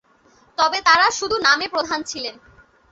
তবে তারা শুধু নামে প্রধান ছিলেন।